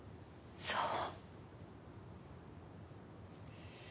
そう。